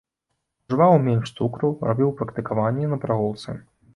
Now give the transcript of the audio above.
Ужываў менш цукру, рабіў практыкаванні на прагулцы.